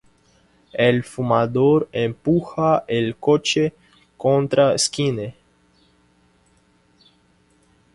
El fumador empuja el coche contra Skinner.